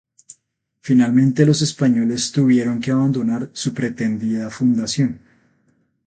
Finalmente, los españoles tuvieron que abandonar su pretendida fundación.